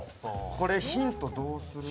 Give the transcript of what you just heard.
これ、ヒントどうする？